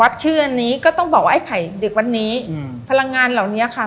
วัดเชื่อนี้ก็ต้องบอกว่าไอ้ไข่เด็กวันนี้ภาระงานเหล่านี้ค่ะ